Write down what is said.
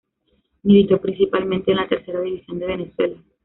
Militó principalmente en la Tercera División de Venezuela.